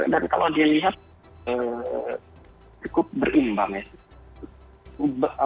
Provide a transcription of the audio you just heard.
dan kalau dilihat cukup berimbang ya